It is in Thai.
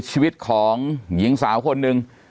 ชีวิตของหญิงสาวคนหนึ่ง